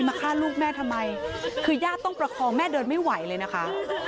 มาฆ่าลูกแม่ทำไมคือญาติต้องประคองแม่เดินไม่ไหวเลยนะคะ